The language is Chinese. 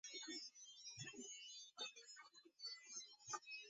青藏铁路和青藏公路经过辖境。